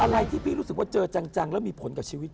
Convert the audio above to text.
อะไรที่พี่รู้สึกว่าเจอจังแล้วมีผลกับชีวิต